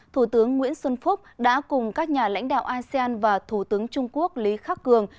thủ tướng nguyễn xuân phúc đã cùng các nhà lãnh đạo asean và thủ tướng trung quốc lý khắc cường